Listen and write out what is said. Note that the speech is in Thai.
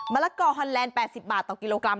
ละกอฮอนแลนด์๘๐บาทต่อกิโลกรัม